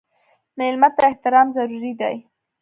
مېلمه ته احترام ضروري دی.